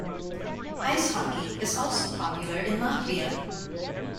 Ice hockey is also popular in Latvia.